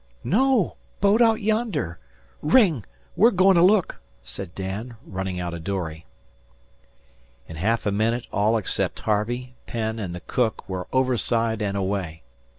"No! Boat out yonder. Ring! We're goin' to look," said Dan, running out a dory. In half a minute all except Harvey, Penn, and the cook were overside and away.